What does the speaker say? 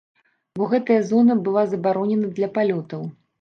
Бо гэтая зона была забаронена для палётаў.